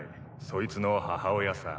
そいつの母親さ。